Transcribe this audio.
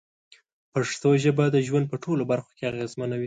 پښتو ژبه د ژوند په ټولو برخو کې اغېزمنه وي.